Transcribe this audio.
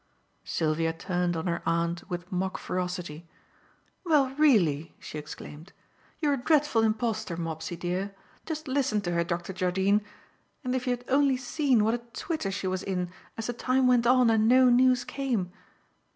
Sylvia turned on her aunt with mock ferocity. "Well, really!" she exclaimed. "You are a dreadful impostor, Mopsy, dear! Just listen to her, Dr. Jardine. And if you had only seen what a twitter she was in as the time went on and no news came!"